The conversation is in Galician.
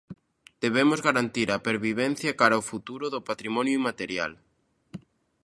Debemos garantir a pervivencia cara ao futuro do patrimonio inmaterial.